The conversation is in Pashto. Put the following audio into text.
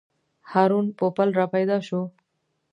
هارون پوپل راپیدا شو.